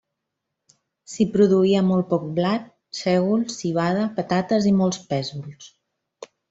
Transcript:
S'hi produïa molt poc blat, sègol, civada, patates i molts pèsols.